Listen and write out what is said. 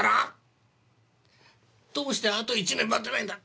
どうしてあと１年待てないんだ？